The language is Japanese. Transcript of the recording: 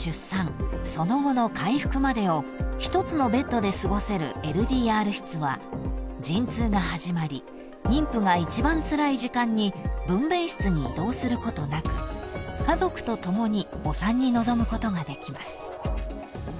その後の回復までを一つのベッドで過ごせるＬＤＲ室は陣痛が始まり妊婦が一番つらい時間に分娩室に移動することなく家族と共にお産に臨むことができます］